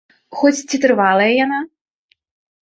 Хоць ці трывалая яна?